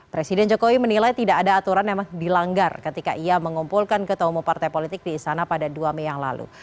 presiden jokowi menilai tidak ada aturan yang dilanggar ketika ia mengumpulkan ketua umum partai politik di istana pada dua mei yang lalu